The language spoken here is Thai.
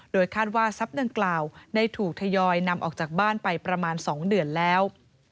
คาดว่าทรัพย์ดังกล่าวได้ถูกทยอยนำออกจากบ้านไปประมาณ๒เดือนแล้ว